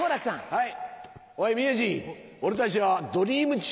はい。